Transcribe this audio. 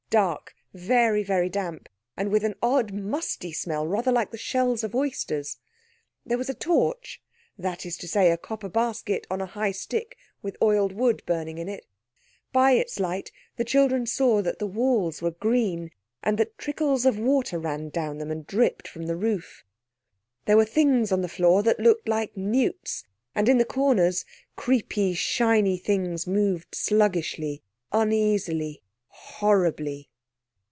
Dark, very, very damp, and with an odd, musty smell rather like the shells of oysters. There was a torch—that is to say, a copper basket on a high stick with oiled wood burning in it. By its light the children saw that the walls were green, and that trickles of water ran down them and dripped from the roof. There were things on the floor that looked like newts, and in the dark corners creepy, shiny things moved sluggishly, uneasily, horribly.